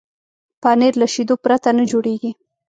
پنېر له شیدو پرته نه جوړېږي.